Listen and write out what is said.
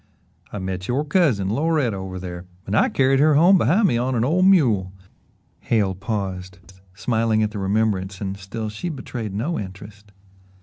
"I met your cousin, Loretta, over there and I carried her home behind me on an old mule" Hale paused, smiling at the remembrance and still she betrayed no interest.